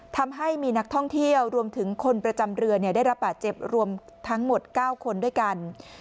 ทำให้มีนักท่องเที่ยวรวมถึงคนประจำเรือได้รับบาดเจ็บรวมทั้งหมด๙คนด้วยกัน